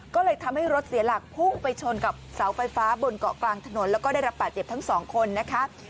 ก็เลยทำให้รถเสียหลักพุ่งไปชนกับเสาไฟฟ้าบนเกาะกลางถนนแล้วก็ได้รับบาดเจ็บทั้งสองคนนะคะ